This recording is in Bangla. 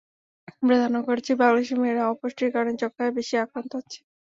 আমরা ধারণা করছি, বাংলাদেশের মেয়েরা অপুষ্টির কারণে যক্ষ্মায় বেশি আক্রান্ত হচ্ছে।